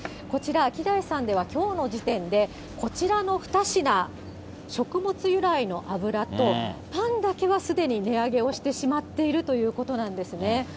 こちら、アキダイさんではきょうの時点で、こちらの２品、食物由来の油と、パンだけはすでに値上げをしてしまっているということなんですね。